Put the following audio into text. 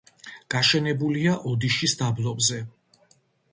გაშენებულია ოდიშის დაბლობზე,